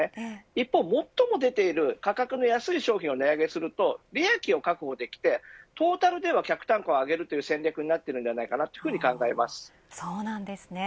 一方、最も出ている価格の安い商品を値上げすると利益を確保できてトータルでは客単価を上げるという戦略になっているんでないかと考えます。